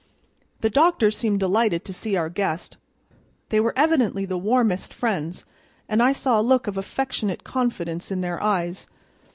The doctor seemed delighted to see our guest; they were evidently the warmest friends, and I saw a look of affectionate confidence in their eyes.